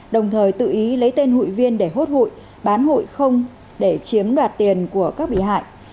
đồng thời tự ý lấy tên hụi viên để hốt hụi bán hụi không để chiếm đoạt tiền của các bị hại